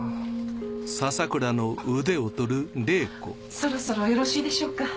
そろそろよろしいでしょうか？